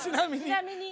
ちなみに？